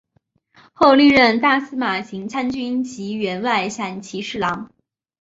后历任大司马行参军及员外散骑侍郎。